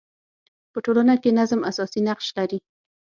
په ټولنه کي نظم اساسي نقش لري.